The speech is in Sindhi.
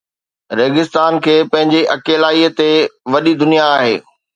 ريگستان کي پنهنجي اڪيلائيءَ تي وڏي دنيا آهي